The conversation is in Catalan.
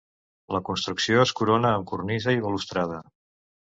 La construcció es corona amb cornisa i balustrada.